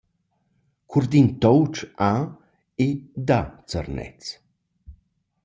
Curdin Toutsch a e da Zernez.